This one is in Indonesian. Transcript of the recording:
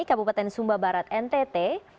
kabupaten sumba barat ntt